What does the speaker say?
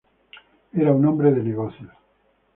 Era un hombre de negocios.